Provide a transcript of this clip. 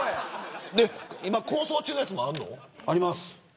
今、構想中のやつもあるの。あります。